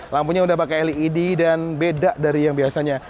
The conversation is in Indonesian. lampunya udah pakai led dan beda dari yang biasanya